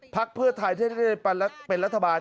พรรคเพื่อไทยได้เป็นรัฐบาล